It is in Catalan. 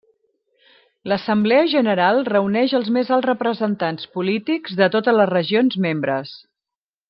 L'Assemblea General reuneix els més alts representants polítics de totes les regions membres.